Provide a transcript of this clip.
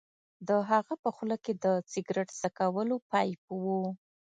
د هغه په خوله کې د سګرټ څکولو پایپ و